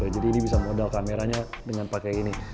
jadi ini bisa modal kameranya dengan pakai ini